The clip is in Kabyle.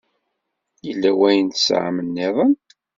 Yella wayen tesɛamt nniḍen?